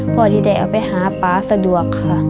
พอดีได้เอาไปหาป๊าสะดวกค่ะ